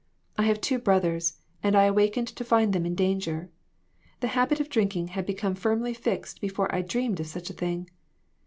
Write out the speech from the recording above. I have two brothers, and I awakened to find them in danger. The habit of drinking had become firmly fixed before I dreamed of such a thing.